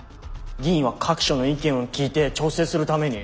議員は各所の意見を聞いて調整するために。